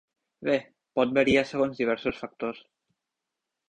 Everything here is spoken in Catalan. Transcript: Bé, pot variar segons diversos factors.